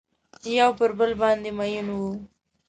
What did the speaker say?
یو پر بل باندې میین وه